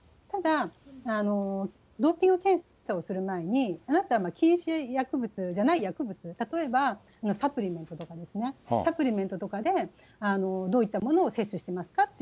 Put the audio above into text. ただ、ドーピング検査をする前にあなたは禁止薬物じゃない薬物、例えばサプリメントとかですね、サプリメントとかでどういったものを摂取してますか？